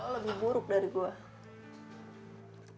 lebih buruk dari gue